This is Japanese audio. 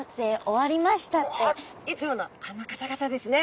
いつものあの方々ですね